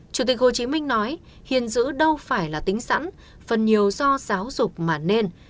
chủ tịch hồ chí minh nói hiền giữ đâu phải là tính sẵn phần nhiều do giáo dục mà nên